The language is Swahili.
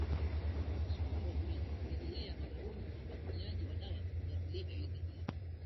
msukumo wa kurejelea miongoni mwa watumiaji wa dawa ya kulevya yoyote ile